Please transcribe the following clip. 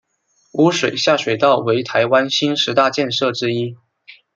污水下水道为台湾新十大建设之一。